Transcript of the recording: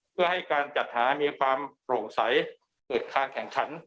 เพื่อให้การจัดหามีความโปร่งใสเกิดการแข่งขัน